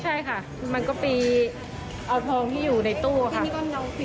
ใช่ค่ะมันก็ไปเอาทองที่อยู่ในตู้ค่ะ